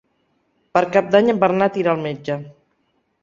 Per Cap d'Any en Bernat irà al metge.